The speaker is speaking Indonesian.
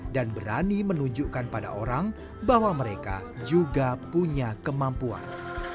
dan berani menunjukkan pada orang bahwa mereka juga punya kemampuan